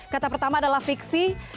kata pertama adalah fiksi